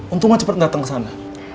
untung gak cepet dateng kesana